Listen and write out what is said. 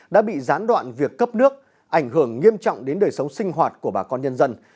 đã bị gián đoạn việc cấp nước ảnh hưởng nghiêm trọng đến đời sống sinh hoạt của bà con nhân dân